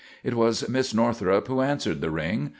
It was Miss Northrup who answered the ring.